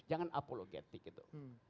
jangan apologetic gitu